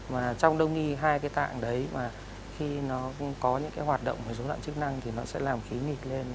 mà trong đông y hai cái tạng đấy mà khi nó cũng có những cái hoạt động dấu đoạn chức năng thì nó sẽ làm khí nghịch lên